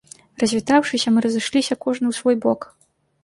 Развітаўшыся, мы разышліся кожны ў свой бок.